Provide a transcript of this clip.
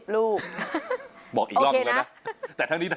๒๐ลูกบอกอีกรอบเลยนะโอเคนะ